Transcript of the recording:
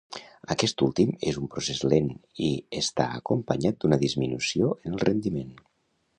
Aquest últim és un procés lent i està acompanyat d'una disminució en el rendiment.